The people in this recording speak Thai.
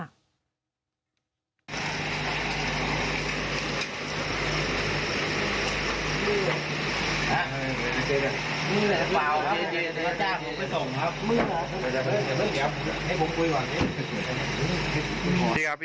เจ๊เจ๊ไม่ส่งครับ